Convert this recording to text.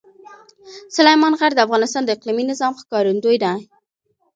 سلیمان غر د افغانستان د اقلیمي نظام ښکارندوی ده.